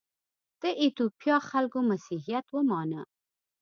د ایتوپیا خلکو مسیحیت ومانه.